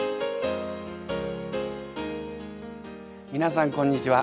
皆さんこんにちは。